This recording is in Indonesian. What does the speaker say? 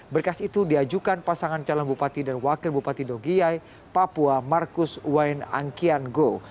berkas itu diajukan pasangan calon bupati dan wakil bupati dogiay papua markus wain angkianggo